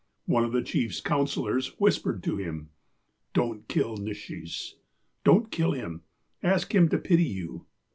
*' One of the chief's counsellors ^ whispered to him : "'Don't kill Mshaes. Don't kill him. Ask him to pity you.'